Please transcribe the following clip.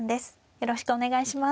よろしくお願いします。